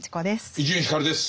伊集院光です。